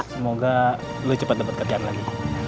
semoga lo cepet dapet kerjaan lagi